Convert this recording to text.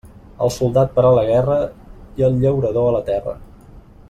El soldat per a la guerra, i el llaurador a la terra.